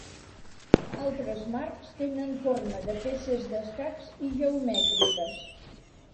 Altres marcs tenen forma de peces d'escacs i geomètriques.